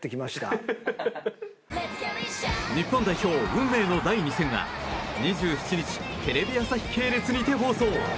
日本代表、運命の第２戦は２７日テレビ朝日系列にて放送。